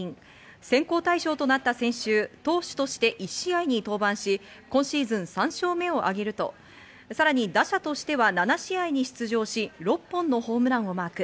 選考対象となった先週、投手として１試合に登板し、今シーズン３勝目を挙げると、さらに打者としては７試合に出場し、６本のホームランをマーク。